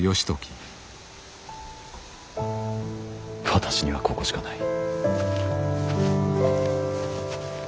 私にはここしかない。